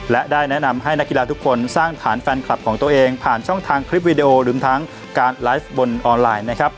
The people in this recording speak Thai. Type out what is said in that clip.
และได้แนะนำให้นักกีฬาทุกคนสร้างฐานแฟนคลับของตัวเองผ่านช่องทางคลิปวิดีโอรวมทั้งการไลฟ์บนออนไลน์นะครับ